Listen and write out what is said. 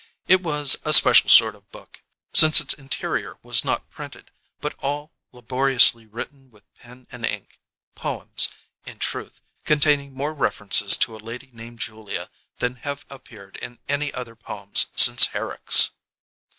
It was a special sort of book, since its interior was not printed, but all laboriously written with pen and ink poems, in truth, containing more references to a lady named Julia than have appeared in any other poems since Herrick's.